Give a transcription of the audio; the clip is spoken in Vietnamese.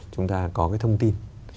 chúng ta có cái thông tin